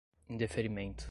indeferimento